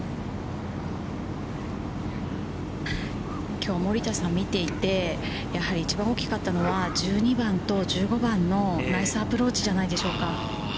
きょう森田さんを見ていて、やはり一番大きかったのは、１２番と１５番のナイスアプローチじゃないでしょうか。